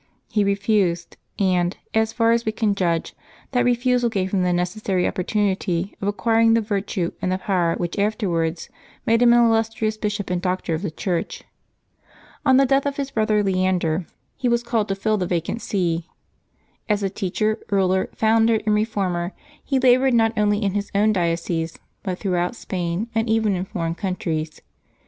He refused, and, as far as we can judge, that refusal gave him the necessary oppor tunity of acquiring the virtue and the power which after wards made him an illustrious Bishop and Doctor of the Church. On the death of his brother Leander he was called 136 LIVES OF THE SAINTS [Apbil 5 to fill the vacant see. As a teacher, ruler, foimder, and reformer, he labored not only in his own diocese, but throughout Spain, and even in foreign countries.